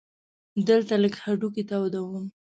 دلته لږ هډوکي تودوم.